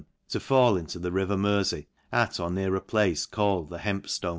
n, to fall into the river Merjey, at or near a place called the Hemp jlon.